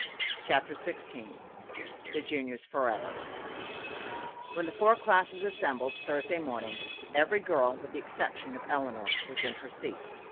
CHAPTER XVI THE JUNIORS FOREVER When the four classes assembled Thursday morning, every girl, with the exception of Eleanor, was in her seat.